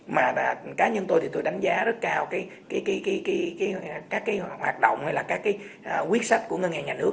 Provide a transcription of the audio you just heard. mà cá nhân tôi đánh giá rất cao các hoạt động hay quyết sách của ngân hàng nhà nước